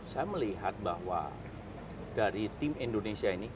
saya melihat bahwa dari tim indonesia ini